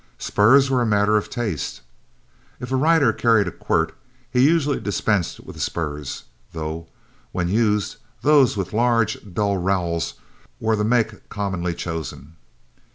Spurs were a matter of taste. If a rider carried a quirt, he usually dispensed with spurs, though, when used, those with large, dull rowels were the make commonly chosen.